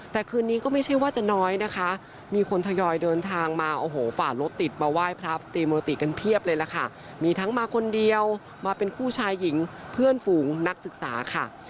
แต่คืนนี้ก็ไม่ใช่ว่าจะน้อยนะคะมีคนทยอยเดินทางมาโอ้โหฝ่ารถติดมาไหว้พระตีโมติกันเพียบเลยล่ะค่ะมีทั้งมาคนเดียวมาเป็นคู่ชายหญิงเพื่อนฝูงนักศึกษาค่ะ